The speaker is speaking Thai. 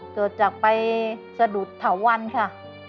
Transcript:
เกิดจากไปสะดุดเถาวันค่ะ